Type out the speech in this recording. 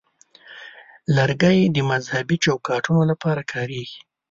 لرګی د مذهبي چوکاټونو لپاره کارېږي.